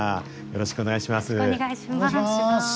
よろしくお願いします。